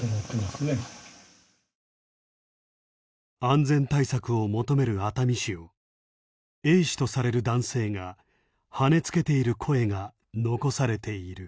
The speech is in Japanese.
安全対策を求める熱海市をＡ氏とされる男性がはねつけている声が残されている。